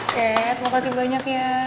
kate makasih banyak ya